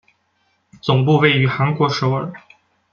总部位于韩国首尔。